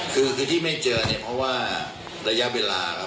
คือที่ไม่เจอเนี้ยเพราะว่าระยะเวลา